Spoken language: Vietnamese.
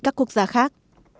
các quốc gia khác